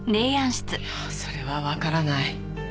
いやそれはわからない。